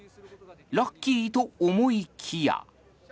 ラッキー！と思いきや。